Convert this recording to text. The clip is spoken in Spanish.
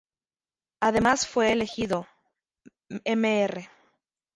Además fue elegido "Mr.